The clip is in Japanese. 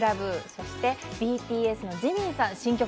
そしてＢＴＳのＪＩＭＩＮさん新曲。